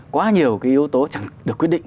quá nhiều cái yếu tố chẳng được quyết định